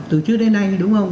từ trước đến nay đúng không